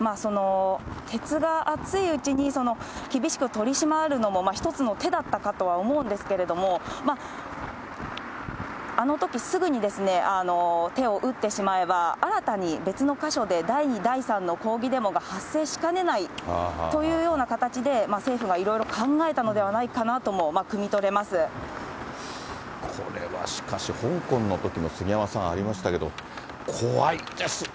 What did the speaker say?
鉄が熱いうちに厳しく取り締まるのも一つの手だったかとは思うんですけれども、あのときすぐに手を打ってしまえば、新たに別の箇所で第２、第３の抗議デモが発生しかねないというような形で、政府がいろいろ考えたのではないかなとも、これはしかし、香港のときの杉山さん、ありましたけど、怖いですね。